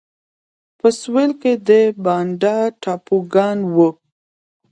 په سوېل کې د بانډا ټاپوګان وو.